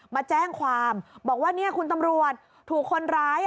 มาแจ้งความบอกว่าเนี่ยคุณตำรวจถูกคนร้าย